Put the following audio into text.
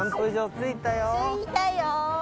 着いたよ。